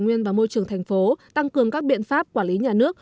nguyên và môi trường thành phố tăng cường các biện pháp quản lý nhà nước